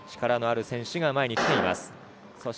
力のある選手が前に来ています。